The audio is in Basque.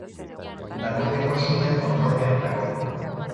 Dagoeneko sutea kontrolpean dago.